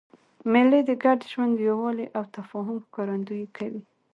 مېلې د ګډ ژوند، یووالي او تفاهم ښکارندویي کوي.